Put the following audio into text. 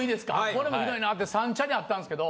これもひどいなって三茶にあったんすけど。